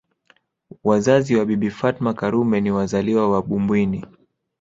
Wazazi wa Bibi Fatma Karume ni wazaliwa wa Bumbwini